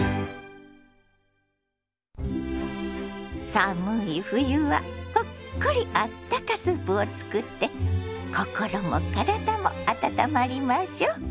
寒い冬はほっこりあったかスープを作って心も体も温まりましょ。